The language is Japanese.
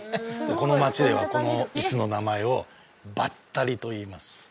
この町ではこの椅子の名前を「ばったり」といいます